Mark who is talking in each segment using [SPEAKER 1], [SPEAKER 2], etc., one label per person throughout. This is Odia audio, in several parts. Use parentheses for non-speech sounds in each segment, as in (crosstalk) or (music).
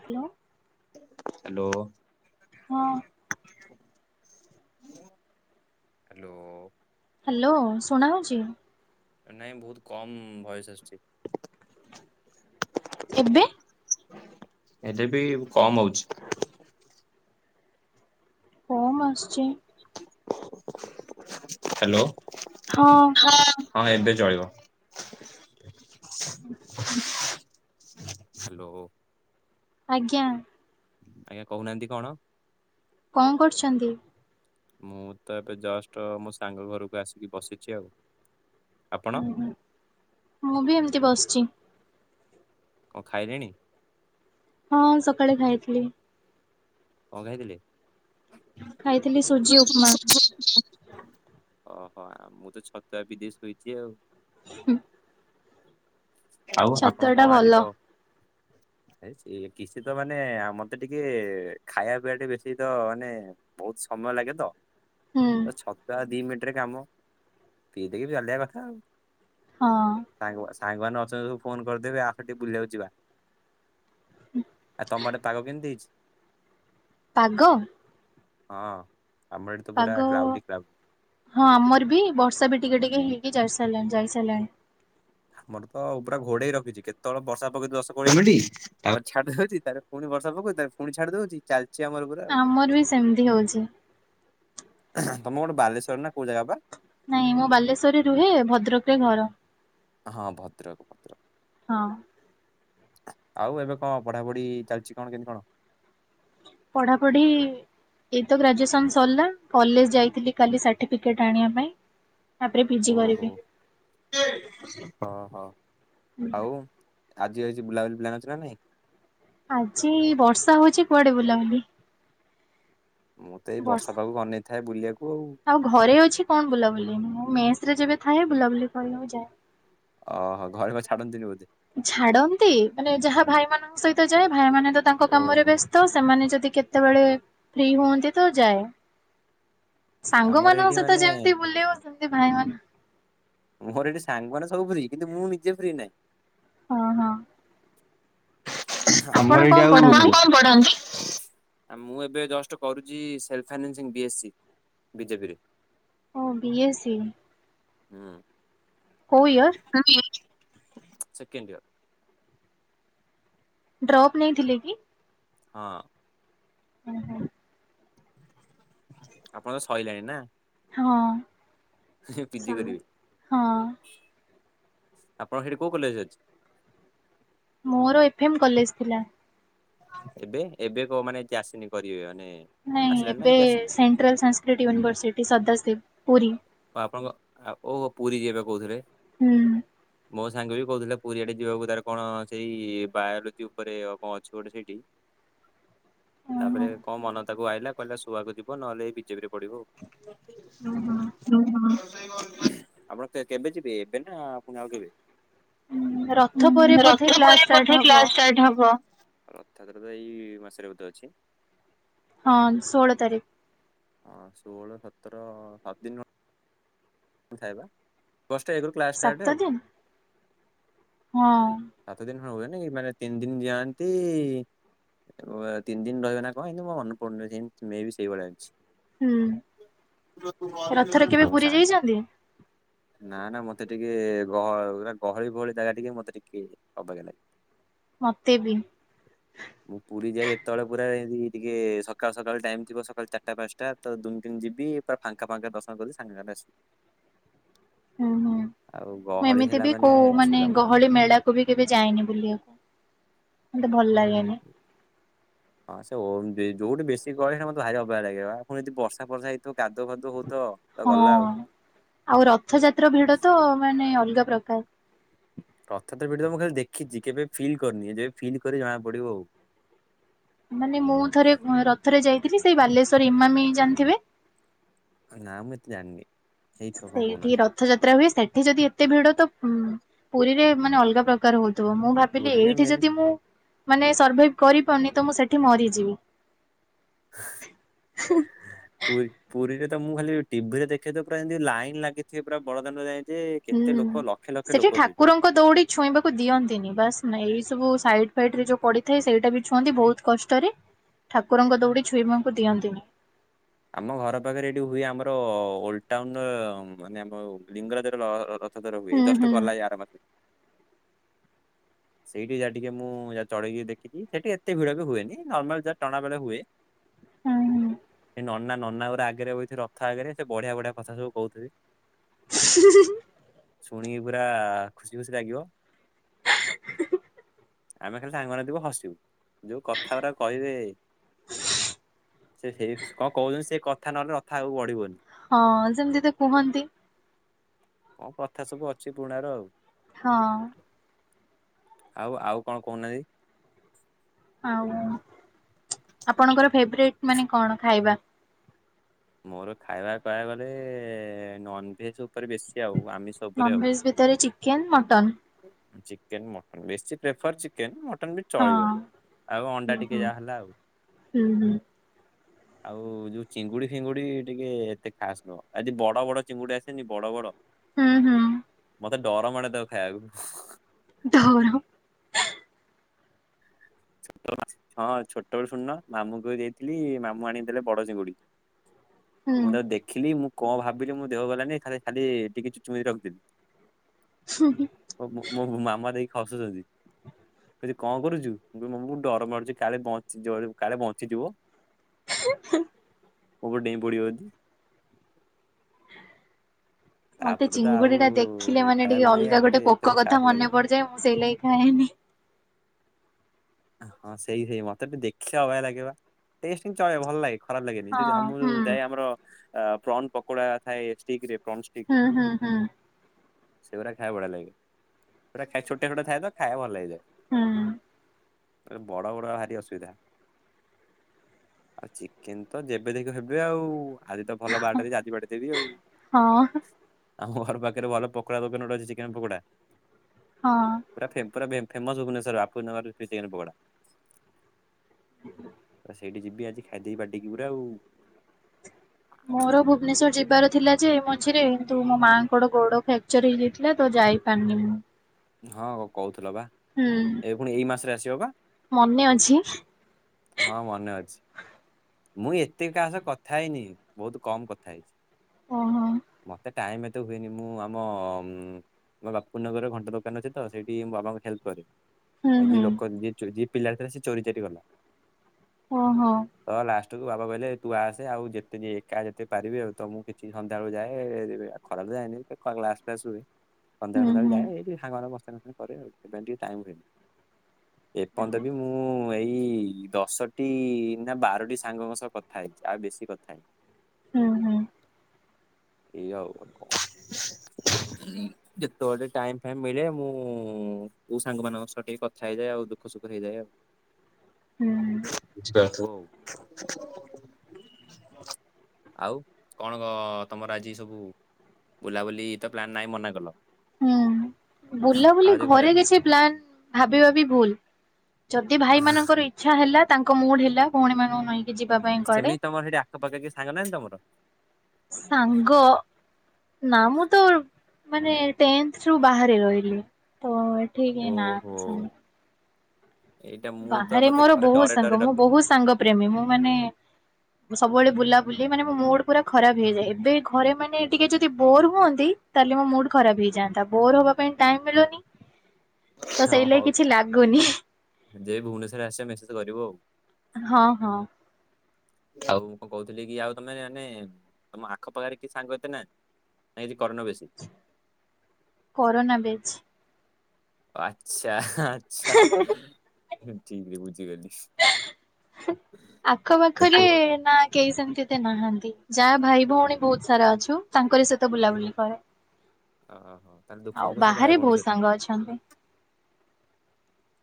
[SPEAKER 1] ହ୍ୟାଲୋ
[SPEAKER 2] ହ୍ୟାଲୋ
[SPEAKER 1] ହଁ
[SPEAKER 2] ହ୍ୟାଲୋ
[SPEAKER 1] ହ୍ୟାଲୋ ଶୁଣା ହଉଛି।
[SPEAKER 2] ନାଇଁ ବହୁତ କମ ଭୟସ ଆସିୁଛି।
[SPEAKER 1] ଏବେ
[SPEAKER 2] ଏବେ ବି କମ ହଉଛି।
[SPEAKER 1] କମ୍ ଆସୁଚି।
[SPEAKER 2] ହ୍ୟାଲୋ
[SPEAKER 1] ହଁ
[SPEAKER 2] ହଁ ଏବେ ଚଳିବ। ହ୍ୟାଲୋ
[SPEAKER 1] ଆଜ୍ଞା
[SPEAKER 2] ଆଜ୍ଞା କହୁନାହାନ୍ତି କଣ
[SPEAKER 1] କଣ କରୁଛନ୍ତି
[SPEAKER 2] ମୁଁ ତ ଏବେ ଜଷ୍ଟ ମୋ ସାଙ୍ଗ ଘରକୁ ଆସିକି ବସିଛି ଆଉ।
[SPEAKER 1] ହୁଁ ହୁଁ ମୁଁ ବି ଏମତି ବସିଛି।
[SPEAKER 2] କଣ ଖାଇଲେଣି
[SPEAKER 1] ହଁ ସକାଳେ ଖାଇଥିଲି
[SPEAKER 2] କଣ ଖାଇଥିଲେ
[SPEAKER 1] ଖାଇଥିଲି ସୁଜି ଉପମା।
[SPEAKER 2] (unintelligible) ଓହୋ ମୁଁ ତ ଛତୁଆ ପିଦେଇ ଶୋଇଛି ଆଉ।
[SPEAKER 1] ହୁଁ
[SPEAKER 2] ଆଉ ଆପଣ କଣ
[SPEAKER 1] ଭଲ
[SPEAKER 2] ଆଜି କହ ସେ କିଛି ତ ମାନେ ଆମ ତ ଟିକେ ଖାଇବା ପିଇବା ଟେ ବେଶୀ ତ ମାନେ ବହୁତ ସମୟ ଲାଗେ ତ
[SPEAKER 1] ହୁଁ
[SPEAKER 2] ଛତୁଆ ଦି ମିନିଟ ରେ କାମ ପିଇ ଦେଇକି ଚାଲିିବା କଥା ଆଉ।
[SPEAKER 1] ହଁ
[SPEAKER 2] ସାଙ୍ଗ ସାଙ୍ଗମାନେ ଅଛନ୍ତି ସବୁ ଫୋନ କରିଦେବେ ଆସ ଟିକେ ବୁଲିବାକୁ ଯିବା। ଆଉ ତମ ଆଡ଼େ ପାଗ କେମିତି ହେଇଛି।
[SPEAKER 1] ପାଗ
[SPEAKER 2] ହଁ ଆମର ଏଇଠି ତ
[SPEAKER 1] ପାଗ
[SPEAKER 2] ପୁରା କ୍ଲାଉଡି କ୍ଲାଉ
[SPEAKER 1] ହଁ ଆମର ବି ବର୍ଷା ବି ଟିକେ ଟିକେ ହେଇକି ଯାଇ ସାରିଲାଣି ଯାଇସାରିଲାଣି।
[SPEAKER 2] ଆମର ତ ପୁରା ଘୋଡେଇ ରଖିଛି କେତେବେଳେ ବର୍ଷା ପକେଇଦବ ଦଶ କୋଡିଏ ମିନିଟ ତାପରେ ଛାଡିଯାଉଚି ତାପାରେ ପୁଣି ବର୍ଷା ପକଉଚି ତାପରେ ପୁଣି ଛାଡି ଯାଉଚି ଚାଲି
[SPEAKER 1] ଆମର ବି ସେମିତି ହଉଛି।
[SPEAKER 2] ତମ କଣ ବାଲେଶ୍ଵର ନା କୋଉ ଜାଗା ବା
[SPEAKER 1] ନାଇଁ ମୁଁ ବାଲେଶ୍ୱରରେ ରୁହେ ଭଦ୍ରକରେ ଘର।
[SPEAKER 2] ହଁ ଭଦ୍ରକ ଭଦ୍ରକ।
[SPEAKER 1] ହଁ
[SPEAKER 2] ଆଉ ଏବେ କଣ ପଢ଼ାପଢ଼ି ଚାଲିଛି କଣ କେମିତି କଣ?
[SPEAKER 1] ପଢ଼ାପଢ଼ି ଏଇତ ଗ୍ରାଜୁଏସନ ସରିଲା। କଲେଜ ଯାଇଥିଲି କାଲି ସାର୍ଟିଫିକେଟ ଆଣିବା ପାଇଁ। ତାପରେ ପିଜି କରିବି
[SPEAKER 2] ଓହୋଃ ଅହଃ ଆଉ? ଆଜି ଆଉ କିଛି ବୁଲାବୁଲି ପ୍ଲାନ ଅଛି ନା ନାଇଁ?
[SPEAKER 1] ଆଜି ବର୍ଷା ହଉଛି କୁଆଡ଼େ ବୁଲାବୁଲି?
[SPEAKER 2] ମୁଁ ତ ଏଇ ବର୍ଷା ପାଗକୁ ଅନେଇଥାଏ ବୁଲିଆକୁ ଆଉ।
[SPEAKER 1] ଆଉ ଘରେ ଅଛି କଣ ବୁଲାବୁଲି। ମୁଁ ମେସ ରେ ଯେବେ ଥାଏ ବୁଲାବୁଲି କରିବାକୁ ଯାଏ।
[SPEAKER 2] ଓହୋଃ ଘରେ ବା ଛାଡ଼ନ୍ତିନି ବୋଧେ?
[SPEAKER 1] ଛାଡ଼ନ୍ତି ମାନେ ଯାହା ଭାଇମାନଙ୍କ ସହିତ ଯାଏ ଭାଇ ମାନେ ତ ତାଙ୍କ କାମରେ ବ୍ୟସ୍ତ ସ୍ତ, ସେମାନେ ଯଦି କେତେବେଳେ ଫ୍ରି ହୁଅନ୍ତି ତ ଯାଏ। ସାଙ୍ଗ ମାନଙ୍କ ସହିତ ଯେମତି ବୁଲିବ ସେମତି ଭାଇ ମାନଙ୍କ
[SPEAKER 2] ମୋର ଏଠି ସାଙ୍ଗମାନେ ସବୁ ଫ୍ରି କିନ୍ତୁ ମୁଁ ନିଜେ ଫ୍ରି ନାହିଁ।
[SPEAKER 1] ଓଃ ହଁ। ଆପଣ
[SPEAKER 2] ଆମର
[SPEAKER 1] କଣ
[SPEAKER 2] ଏଇଠି ଆଉ ଆପଣ
[SPEAKER 1] ପଢନ୍ତି?
[SPEAKER 2] କଣ ପଢ଼ନ୍ତି? ମୁଁ ଏବେ ଜଷ୍ଟ୍ କରୁଛି self financing B S C. BJP ରେ।
[SPEAKER 1] ଓଃ ବି ଏସ୍ ସି। କୋଉ ଇୟର?
[SPEAKER 2] ହଁ ସେକେଣ୍ଡ ଇଅର।
[SPEAKER 1] ଡ୍ରପ୍ ନେଇଥିଲେ କି?
[SPEAKER 2] ହଁ।
[SPEAKER 1] ହୁଁ ହୁଁ।
[SPEAKER 2] ଆପଣଙ୍କର ସଇଲାଣି ନା।
[SPEAKER 1] ହଁ ହଁ।
[SPEAKER 2] ଆପଣଙ୍କର ସେଇଠି କୋଉ କଲେଜ ଅଛି?
[SPEAKER 1] ମୋର ଏଫ ଏମ୍ କଲେଜ ଥିଲା।
[SPEAKER 2] ଏବେ ଏବେ କ ମାନେ (unintelligible) କରିବେ ମାନେ
[SPEAKER 1] ନାଇଁ ଏବେ ସେଣ୍ଟ୍ରାଲ ସାଂସ୍କ୍ରିଟ୍ ୟୁନିଭରସିଟି ସଦାଶିବ ପୁରୀ।
[SPEAKER 2] ଆପଣଙ୍କ ଓଃ ପୁରୀ ଯିବେ ପା କହୁଥିଲେ।
[SPEAKER 1] ହୁଁ।
[SPEAKER 2] ମୋ ସାଙ୍ଗ ବି କହୁଥିଲେ ପୁରୀ ଆଡ଼େ ଯିବାକୁ ତାର କଣ ସେଇ ବାୟୋଲୋଜି ଉପରେ କଣ ଅଛି ଗୋଟେ ସେଇଠି। (inaudible)
[SPEAKER 1] ଓ ହୋ।
[SPEAKER 2] ତାପରେ କଣ ମନ ତାକୁ ଆଇଲା କହିଲା ଶୁଆଗୋ ଯିବ ନହେଲେ ବିଜେପିରେ ପଢ଼ିବ ଆଉ।
[SPEAKER 1] ଓଃ ହଁ ‌।
[SPEAKER 2] ଆପଣ କେବେ ଯିବେ ଏବେ ନା ପୁଣି ଆଉ କେବେ?
[SPEAKER 1] ରଥ ପରେ ବୋଧେ
[SPEAKER 2] ରଥ
[SPEAKER 1] କ୍ଲାସ
[SPEAKER 2] ପରେ
[SPEAKER 1] ଷ୍ଟାର୍ଟ
[SPEAKER 2] ବୋଧେ
[SPEAKER 1] ହବ
[SPEAKER 2] କ୍ଲାସ ଷ୍ଟାର୍ଟ ହବ। ରଥଯାତ୍ରା ତ ଏଇ ମାସରେ ବୋଧେ ଅଛି।
[SPEAKER 1] ହଁ ଷୋହଳ ତାରିଖ।
[SPEAKER 2] ହଁ ଷୋହଳ, ସତର ସାତ ଦିନ ଥାଏ ପା (unintelligible) କ୍ଲାସ୍
[SPEAKER 1] ସାତ
[SPEAKER 2] ଷ୍ଟାର୍ଟ ଆଉ।
[SPEAKER 1] ଦିନ ହଁ।
[SPEAKER 2] ସାତ ଦିନ ହୁଏନି କି ମାନେ ତିନି ଦିନ ଯାଆନ୍ତି ତିନି ଦିନ ରହିବେ ନା କଣ ଏଇମିତି ମୋ ମନେ ପଡ଼ୁନି ମେବି ସେଇଭଳିଆ କିଛି।
[SPEAKER 1] ହୁଁ ରଥରେ କେବେ
[SPEAKER 2] ମୋ
[SPEAKER 1] ପୁରୀ
[SPEAKER 2] ସା
[SPEAKER 1] ଯାଇଛନ୍ତି?
[SPEAKER 2] ନା ନା ମତେ ଟିକେ ଗହ-ଗହଳି ଫହଳି ଜାଗା ଟିକେ ମତେ ଟିକେ ଅବାଗିଆ ଲାଗେ।
[SPEAKER 1] ମତେ ବି।
[SPEAKER 2] (inaudible) ମୁଁ ପୁରୀ ଯାଏ ଯେତେବେଳେ ପୁରା ଯେମତି ଟିକେ ସକାଳ ସକାଳ ଟାଇମ ଥିବ ସକାଳୁ ଚାରିଟା ପାଞ୍ଚଟା ତ ଦୁମ କହିନି ଯିବି ପୁରା ଫାଙ୍କା ଫାଙ୍କା ଦର୍ଶନ କରି ସାଙ୍ଗେ ସାଙ୍ଗେ ଆସିବି।
[SPEAKER 1] ଓହୋଃ। ମୁଁ ଏମିତି ବି କୋଉ ମାନେ ଗହଳି ମେଳା ମୁଁ ବି କେବେ ଯାଇନି ବୁଲିଆକୁ, ମତେ ଭଲ୍‌ ଲାଗେନି।
[SPEAKER 2] (inaudible) (inaudible) ତ, ଗଲା ଆଉ।
[SPEAKER 1] ହଁ ଆଉ ରଥଯାତ୍ରା ଭିଡ଼ ତ ମାନେ ଅଲ୍ଗା ପ୍ରକାର୍।
[SPEAKER 2] ରଥ ତ ଭିଡ଼ ମୁଁ ଖାଲି ଦେଖିଚି କେବେ ଫିଲ୍ କର୍ନି, ଯେବେ ଫିଲ୍ କରିବି ଜଣା ପଡ଼ିବ ଆଉ।
[SPEAKER 1] ମାନେ ମୁଁ ଥରେ ରଥରେ ଯାଇଥିଲି, ସେଇ ବାଲେଶ୍ଵର୍ ଇମାମି ଜାଣ୍ ଥିବେ।
[SPEAKER 2] ନା, ମୁଁ ଏତେ ଜାଣ୍ନି।
[SPEAKER 1] (inaudible) ରଥଯାତ୍ରା ହୁଏ, ସେଠି ଯଦି ଏତେ ଭିଡ଼ ତ ପୁରୀରେ ମାନେ ଅଲ୍ଗା ପ୍ରକାର୍ ହଉଥିବ। ମୁଁ ଭା ଭାବିଲି, ଏଇଠି ଯଦି ମୁଁ ମାନେ ସର୍ଭାଇ କରିପାରୁନି ତ ମୁଁ ସେଠି ମରିଯିବି। ହଁ
[SPEAKER 2] ପୁରୀରେ ତ ମୁଁ ଖାଲି ଟିଭିରେ ଦେଖେତ, ପୁରା ଏନ୍ତି ଲାଇନ୍‌ ଲାଗିଥିବେ ପୁରା ବଡ଼ଦାଣ୍ଡ ଯାଏ। ଯେ କେତେ ଲୋକ ଲକ୍ଷେ ଲକ୍ଷେ ଲୋକ ସେଇ
[SPEAKER 1] ଦୌଡ଼ି ଛୁଇଁବାକୁ ଦିଅନ୍ତିନି, ବାସ୍ ଏଇ ସବୁ ସାଇଟ୍ ଫାଇଟ୍ ରେ ଯଉ ପଡ଼ିଥାଏ ସେଇଟା ବି ଛୁଅନ୍ତି। ବହୁତ୍ କଷ୍ଟରେ, ଠାକୁରଙ୍କ ଦୌଡ଼ି ଛୁଇଁବାଙ୍କୁ ଦିଅନ୍ତିନି।
[SPEAKER 2] ଆମ ଘର ପାଖରେ ଏଠି ହୁଏ, ଆମର ଓଲ୍ ଟାଉନ୍‌ ମାନେ ଆମ ଲିଙ୍ଗରାଜ (inaudible)
[SPEAKER 1] ହୁଁ ହୁଁ
[SPEAKER 2] ସେଇଟି ଯା ଟିକେ ମୁଁ ଚଡ଼ିକି ଦେଖିଚି, ସେଠି ଏତେ ଭିଡ଼ ବି ହୁଏନି, ନର୍ମାଲ୍ ଯା ଟଣା ବେଳେ ହୁଏ।
[SPEAKER 1] (inaudible)
[SPEAKER 2] ନନା ନନା ରା ଆଗେରେ ବଇଥିବେ ରଥ ଆଗେରେ, ସେ ବଢ଼ିଆ ବଢ଼ିଆ କଥା ସବୁ କହୁଥିବେ।
[SPEAKER 1] (inaudible)
[SPEAKER 2] ଶୁଣିକି ପୁରା ଖୁସି ଖୁସି ଲାଗିବ। ଆମେ ଖାଲି ସାଙ୍ଗ୍ ମାନେ ଥିବୁ ହସିବୁ, ଯଉ କଥା ରା କହିବେ। କହୁଚନ୍ତି, ସେ କଥା ନହେଲେ ରଥ ଆଗକୁ ବଢ଼ିବିନି।
[SPEAKER 1] ହଁ, ସେମ୍ତି ତ କୁହନ୍ତି।
[SPEAKER 2] ପ୍ରଥା ସବୁ ଅଛି ପୁ--ଣାର ଆଉ।
[SPEAKER 1] ହଁ!
[SPEAKER 2] ଆଉ ଆଉ କ'ଣ କହୁନା--ନ୍ତି?
[SPEAKER 1] ଆଉ, ଆପଣଙ୍କର ଫେବ୍ରେଟ୍ ମାନେ କ'ଣ ଖାଇବା?
[SPEAKER 2] ମୋର ଖାଇବା କହିବାକୁ ଗଲେ ନନ୍‌ଭେଜ୍‌ ଉପରେ ବେଶୀ ଆଉ। ଆମି
[SPEAKER 1] ନନଭେଜ୍ ଭିତରେ ଚିକେନ୍‌, ମଟନ୍।
[SPEAKER 2] ଚିକେନ ମଟନ୍ ବେଶୀ ପ୍ରେଫର୍ ଚିକେନ। ମଟନ୍ ବି ଚଳିବ,
[SPEAKER 1] ହଁ
[SPEAKER 2] ଆଉ ଅଣ୍ଡା
[SPEAKER 1] ହୁଁ
[SPEAKER 2] ଟିକେ
[SPEAKER 1] ହୁଁ
[SPEAKER 2] ଯାହା ହେଲା ଆଉ।
[SPEAKER 1] ହୁଁ ହୁଁ।
[SPEAKER 2] ଆଉ ଯଉ ଚିଙ୍ଗୁଡ଼ି ଫିଙ୍ଗୁଡ଼ି ଟିକେ ଏତେ ଖାସ୍ ନୁହଁ, ଆ ବଡ଼ ବଡ଼ ଚିଙ୍ଗୁଡି ଆସେନି ବଡ଼ ବଡ଼।
[SPEAKER 1] (inaudible)
[SPEAKER 2] ମତେ ଡ଼ର ମାଡ଼େ ତାକୁ ଖାଇବାକୁ।
[SPEAKER 1] (inaudible)
[SPEAKER 2] ହଁ ଛୋଟବଳେ ଶୁଣୁନ, ମାମୁଁ କୁ ଯାଇଥିଲି ମାମୁଁ ଆଣିକି ଦେଲେ ବଡ ଚିଙ୍ଗୁଡ଼ି।
[SPEAKER 1] ହୁଁ
[SPEAKER 2] ମୁଁ ତାକୁ ଦେଖିଲି, ମୁଁ ଭାବିଲି ମୋ ଦେହକୁ ଗଲାନି ଖାଲି ଟିକେ ଚୁଚୁମିକି ର--ଦେଲି।
[SPEAKER 1] (inaudible)
[SPEAKER 2] ମାମା ଦେଖିକି ଖସୁଚନ୍ତି, କହୁ ଙ୍କ କରୁଚୁ? (inaudible)
[SPEAKER 1] (inaudible)
[SPEAKER 2] (inaudible)
[SPEAKER 1] ମତେ ଚିଙ୍ଗୁଡ଼ି ଟା ଦେଖିଲେ ମାନେ ଟିକେ ଅଲ୍ଗା ଗୋଟେ ପୋକ କଥା ମନେ ପଡ଼ିଯାଏ, ମୁଁ ସେଇ ଲାଗି ଖାଏନି।
[SPEAKER 2] ହଁ, ସେଇ ସେଇ ମତେ ତ ଦେଖିଲେ ଅବାଗିଆ ଲାଗେ ବା, ଟେଷ୍ଟ୍ ଚଳିବ ଭଲ୍‌ ଲାଗେ। ଖରାପ୍ ଲାଗେନି, ଯଉ
[SPEAKER 1] ହଁ ହୁଁ
[SPEAKER 2] ଯାଏ ଆମ୍‌ର ପ୍ରନ୍‌ ପକୋଡ଼ା ଥାଏ ଷ୍ଟିକ୍ ରେ। ଠିକ୍
[SPEAKER 1] ହୁଁ ହୁଁ ହୁଁ
[SPEAKER 2] ସେ ଗୁରା ଖାଇ--କୁ ବଢ଼ିଆ ଲାଗେ, ଛୋଟିଆ ଛୋଟିଆ ଥାଏ ତ ଖାଇବାକୁ ଭଲ୍ ଲାଗିଯାଏ।
[SPEAKER 1] ହୁଁ।
[SPEAKER 2] ବଡ ବଡ ଭାରି ଅସୁବିଧା। ଆଉ ଚିକେନ ତ ଯେବେ ଦେଖକି ହେବେ ଆଉ। ଆଜି ତ ଭଲ ବାରଟା ଆଜି ତ ବଢ଼େଇ ଦେବି ଆଉ।
[SPEAKER 1] ହଁ
[SPEAKER 2] ଆମ ଘର ପାଖରେ ଭଲ ପକୋଡା ଦୋକାନ ଗୋଟେ ଅଛି ଚିକେନ ପକୋଡା।
[SPEAKER 1] ହଁ।
[SPEAKER 2] ପୁରା ଫେ ପୁରା ଫେମସ ଭୁବନେଶ୍ୱର ବାପୁଜୀ ନଗର ଚିକେନ ପକୋଡା। ସେଇଠି ଯିବି ଆଜି ଖାଇଦେବି ବଢେଇକି ପୁରା ଆଉ।
[SPEAKER 1] ମୋର ଭୁବନେଶ୍ୱର ଯିବାର ଥିଲା ଯେ ମଝିରେ କିନ୍ତୁ ମୋ ମାଆଙ୍କର ଗୋଡ ଫ୍ରାକ୍ଚର ହେଇଯାଇଥିଲା ତ ଯାଇ ପାନି ମୁଁ।
[SPEAKER 2] ହଁ କହୁଥିଲ ବା।
[SPEAKER 1] ହୁଁ।
[SPEAKER 2] ଏ ପୁଣି ଏଇ ମାସରେ ଆସିବ ବା।
[SPEAKER 1] ମନେ ଅଛି?
[SPEAKER 2] ହଁ ମନେ ଅଛି। ମୁଁ ଏତେ କାହା ସହ କଥା ହେଇନି ବହୁତ କମ କଥା ହେଇଛି।
[SPEAKER 1] ହଁ ହଁ।
[SPEAKER 2] ମତେ ଟାଇମ ଏତେ ହୁଏନି ମୁଁ ଆମ ବାପୁନି ନଗରରେ ଘଣ୍ଟା ଦୋ ଦୋକାନ ଅଛି ତ ସେଇଠି ମୁଁ ବାବାଙ୍କୁ ହେଲ୍ପ କରେ।
[SPEAKER 1] ହୁଁ ହୁଁ
[SPEAKER 2] ଯିଏ ଲୋକ ଯିଏ ଚୋ ପିଲା ସେ ଚୋରି ଚାରି କଲା।
[SPEAKER 1] ଓଁ ହଁ।
[SPEAKER 2] ତ ଲାଷ୍ଟକୁୁ ବାବା କହିଲେ ତୁ ଆସେ ଆଉ ଯେତେକି ଏକା ଯେତେ ପାରିବି ଆଉ ତ ମୁଁ କିଛି ସନ୍ଧ୍ୟାବେଳେ ଯାଏ। ଖରାରେ ତ ଯାଏନି ଏତେ କ୍ଲାସ ଫ୍ଲାସ୍ ହୁଏ। ସନ୍ଧ୍ୟା ବେଳେ
[SPEAKER 1] ହୁଁ
[SPEAKER 2] ଫନ୍ଧ୍ୟା ବେଳେ
[SPEAKER 1] ହୁଁ
[SPEAKER 2] ଯାଏ ଏଇ ଟିକେ ସାଙ୍ଗମାନ ଙ୍କ ମସ୍ତାନୀ ଫସ୍ତାନି କରେ ଆଉ ସେଥିପାଇଁ ଟିକେ ଟାଇମ ହୁଏନି। ଏପର୍ଯ୍ୟନ୍ତ ବି ମୁଁ ମୁଁ ଏଇ ଦଶଟି ନା ବାରଟି ସାଙ୍ଗ ଙ୍କ ସହ କଥା ହେଇଛି ଆଉ ବେଶୀ କଥା ହେଇନି।
[SPEAKER 1] ହୁଁ ହୁଁ।
[SPEAKER 2] ଇଏ ଆଉ କଣ (unintelligible) ଯେତେବେଳେେ ଟାଇମ ଫାଇମି ମିଳେ ମୁଁ କୋଉ ସାଙ୍ଗମାନଙ୍କ ସହ ଟିକେ କଥା ହେଇଯାଏ ଆଉ ଦୁଃଖ ସୁଖ ହେଇଯାଏ ଆଉ।
[SPEAKER 1] ହୁଁ
[SPEAKER 2] ବୁଝିପାରୁଥିବା ଆଉ। (unintelligible) ଆଉ କଣ କ ତମର ଆଜି ସବୁ ବୁଲାବୁଲି ତ ପ୍ଲନ୍ ନାହିଁ ମନା କଲ।
[SPEAKER 1] ହୁଁ ବୁଲା ବୁଲି ଘରେ କିଛି ପ୍ଲାନ ଭାବିବା ବି ଭୁଲ। ଯଦି ଭାଇମାନଙ୍କର ଇଛା ହେଲା ତାଙ୍କ ମୁଡ ହେଲା ଭଉଣୀ ମାନଙ୍କୁ ନେଇକି ଯିବା ପାଇଁ। କୁଆଡେ
[SPEAKER 2] ସେମିତି ତମର ହେଠି ଆଖପାଖ କି ସାଙ୍ଗ ନାହାଁନ୍ତି ତମର?
[SPEAKER 1] ସାଙ୍ଗ। ନା ମୁଁ ତ ମାନେ ଟେନ୍ଥ ରୁ ବାହାରେ ରହିଲି ତ ଏଠି କେହି ନାହାନ୍ତି ସାଙ୍ଗ। ବାହାରେ ମୋର ବହୁତ ସାଙ୍ଗ ମୁଁ ବହୁତ ସାଙ୍ଗ ପ୍ରେମୀ ମୁଁ ମାନେ ସବୁବେଳେ ବୁଲାବୁଲି ମାନେ ମୋ ମୁଡ ପୁରା ଖରାପ ହେଇଯାଏ। ଏବେ ଘରେ ମାନେ ଟିକେ ଯଦି ବୋର ହୁଅନ୍ତି। ତାହେଲେ ମୋ ମୁଡ ଖରାପ ହେଇଯାନ୍ତା ବୋର ହେବା ପାଇଁ ଟାଇମ ମିଳୁନି। ତ ସେଇ ଲାଗି କିଛି ଲାଗୁନି।
[SPEAKER 2] ଯେ ଭୁବନେଶ୍ୱର ଆସିବ ମେସେଜ କରିବ ଆଉ।
[SPEAKER 1] ହଁ ହଁ।
[SPEAKER 2] ଆଉ ମୁଁ କଣ କହୁଥିଲି କି ଆଉ ତମେ ମାନେ ତମ ଆଖ ପାଖରେ କି ସାଙ୍ଗ ଏତେ ନାହାନ୍ତି? ନାଇଁ କିଛି କରିନ ବେଶୀ?
[SPEAKER 1] କରୋନା ବିଚ
[SPEAKER 2] ଆଚ୍ଛା ଆଛା ଠିକ ବୁଝିଗଲି।
[SPEAKER 1] ଆଖ ପାଖରେ ନା। କେହି ସେମିତି ଏତେ ନାହାନ୍ତି ଯାହା ଭାଇ ଭଉଣୀ ବହୁତ ସାରା ଅଛୁ ତାଙ୍କରି ସହିତ ବୁଲାବୁଲି କରେ।
[SPEAKER 2] ଓହୋ ତାହେଲେ
[SPEAKER 1] ଆଉ
[SPEAKER 2] ଦୁଃଖ ସୁୁଖ ସବୁ
[SPEAKER 1] ବାହାରେ
[SPEAKER 2] ଭାଇ ଭଉଣୀ
[SPEAKER 1] ବହୁତ
[SPEAKER 2] ସହିତ।
[SPEAKER 1] (unintelligible)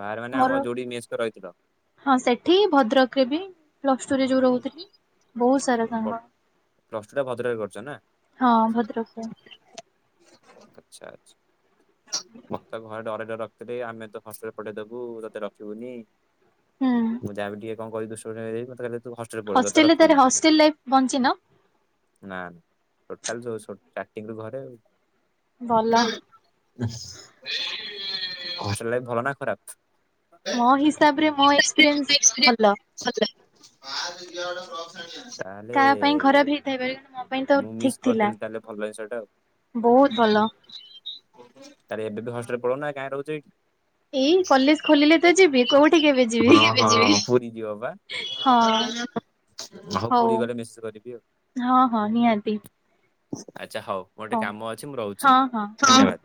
[SPEAKER 2] ବାହାରେ ମାନେ
[SPEAKER 1] ମୋର
[SPEAKER 2] ଆମ ଯୋଉଠି ମେସ୍ କରି ରହିଥିଲ।
[SPEAKER 1] ହଁ ସେଠି ଭଦ୍ରକରେ ବି। ପ୍ଲସ୍ ଟୁରେ ଯୋଉ ରହୁଥିଲି ବହୁତ ସାରା ସାଙ୍ଗ। ହଁ ଭଦ୍ରକ ରେ।
[SPEAKER 2] ଆଛା ଆଛା। ମତ ଘରେ ଡରେଇ ଡରେଇ ରଖିଥିଲେ ଆମେ ତତେ ହଷ୍ଟେଲ ପଠେଇଦବୁ ତତେ ରଖିବୁନି।
[SPEAKER 1] ହୁଁ
[SPEAKER 2] ମୁଁ ଯାହାବି ଟିକେ କଣ କଲି ଦୁଷ୍ଟ ଫୁଷ୍ଟ ମତେ କହିଲେ ତୁ ହ
[SPEAKER 1] ହଷ୍ଟେଲରେ ତାର ହଷ୍ଟେଲ ଲାଇଫ ବଞ୍ଚିନ?
[SPEAKER 2] ନା ଟୋଟାଲ ଯୋଶୋ ଷ୍ଟାଟିଙ୍ଗରୁ ଘରେ ଆଉ।
[SPEAKER 1] ଭଲ
[SPEAKER 2] ଉ ହଷ୍ଟେଲ ଲାଇଫ ଭଲ ନା ଖରାପ?
[SPEAKER 1] ମୋ ହିସାବ ରେ ମୋ ଏକ୍ସପିରିଏନ୍ସ ଭଲ।
[SPEAKER 2] (inaudible) ସା
[SPEAKER 1] କାହା ପାଇଁ ଖରାପ ହେଇଥାଇପାରେ କିନ୍ତୁ ମୋ ପାଇଁ ତ ଠିକ୍ ଥିଲା ବହୁତ ଭଲ।
[SPEAKER 2] ଆରେ ଏବେ ତ ହଷ୍ଟେଲ୍ ପଳୁନା କାଇଁ ରହୁଛ ଏଠି?
[SPEAKER 1] ଏଇ କଲେଜ୍ ଖୋଲିଲେ ତ ଯିବି କୋଉଠିକି ଏବେ
[SPEAKER 2] ହଁ
[SPEAKER 1] ଯିବି।
[SPEAKER 2] ହଁ ପୁରୀ ଯିବ ବା
[SPEAKER 1] ହଁ।
[SPEAKER 2] ହଉ ପୁରୀ ଗଲେ ମେସଜ୍ କରିବି ଆଉ।
[SPEAKER 1] ହଁ ହଁ ନିହାତି।
[SPEAKER 2] ଆଚ୍ଛା ହଉ ଗୋଟେ କାମ ଅଛି ମୁଁ ରହୁଛି
[SPEAKER 1] ହଁ ହଁ ହୁଁ।
[SPEAKER 2] ଧନ୍ୟବାଦ।